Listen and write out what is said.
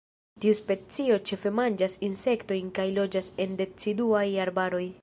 Tiu specio ĉefe manĝas insektojn, kaj loĝas en deciduaj arbaroj.